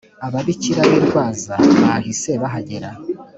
ababikira b’i rwaza bahise bahagera